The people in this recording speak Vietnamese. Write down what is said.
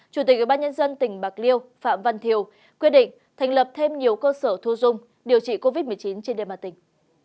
chủ tịch ủy ban nhân dân tỉnh bạc liêu phạm văn thiều quyết định thành lập thêm nhiều cơ sở thu dung điều trị covid một mươi chín trên địa bàn tỉnh